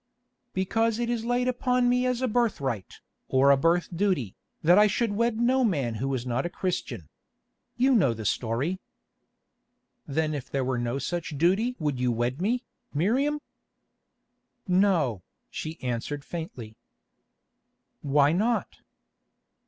"Because it is laid upon me as a birthright, or a birth duty, that I should wed no man who is not a Christian. You know the story." "Then if there were no such duty would you wed me, Miriam?" "No," she answered faintly. "Why not?"